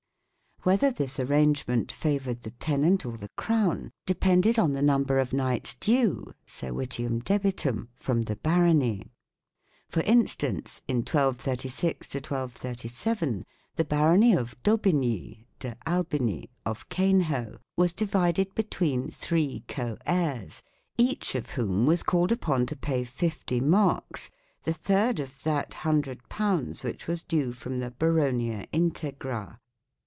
Whether this arrange ment favoured the tenant or the Crown depended on the number of knights due (" servitium debitum ") from the barony. For instance, in 1236 1 237 the barony of D'Aubigny (" De Albini ") of Cainhoe was divided between three co heirs, each of whom was called upon to pay 50 marcs, the third of that hundred pounds which was due from the "baronia in tegra